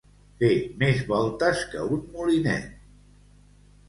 Fer més voltes que un molinet.